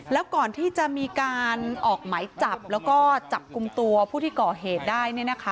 แล้วก่อนที่จะมีการออกหมายจับแล้วก็จับกลุ่มตัวผู้ที่ก่อเหตุได้